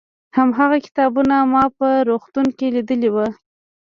هماغه کتابونه ما په روغتون کې لیدلي وو.